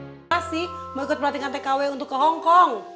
terima kasih mau ikut pelatihan tkw untuk ke hongkong